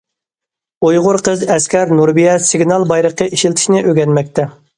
ئۇيغۇر قىز ئەسكەر نۇربىيە سىگنال بايرىقى ئىشلىتىشنى ئۆگەنمەكتە.